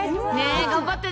頑張ってね。